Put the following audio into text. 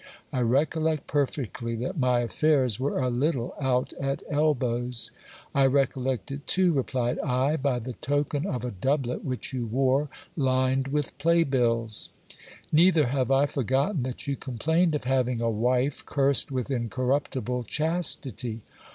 I recollect perfectly that my affairs were a little out at elbows. I recollect it too, replied I, by the token of a doublet which you wore, lined with play bills. Neither have I forgotten that you complained of having a wife cursed with incorruptible chastity.